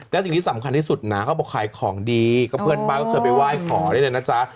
และสิ่งที่สำคัญที่สุดนะเขาบอกขายของดีก็เพื่อนบ้านก็เคยไปไหว้ขอได้เลยนะจ๊ะ